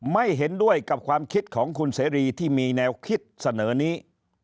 ไม่เห็นด้วยกับความคิดของคุณเสรีที่มีแนวคิดเสนอนี้